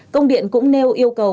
công điện cũng nêu yêu cầu